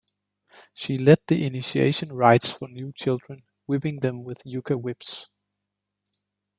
She led the initiation rites for new children, whipping them with yucca whips.